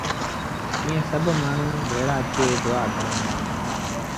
ائيٚݩ سڀ مآڻهوٚٚݩ ڀيڙآ ٿئي دُئآ ڪريݩ دآ